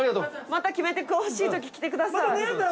また決めてほしい時来てください。